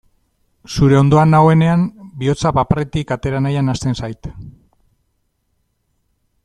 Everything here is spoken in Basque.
Zure ondoan nagoenean bihotza paparretik atera nahian hasten zait.